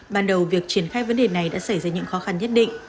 ban đầu việc triển khai vấn đề này đã xảy ra những khó khăn nhất định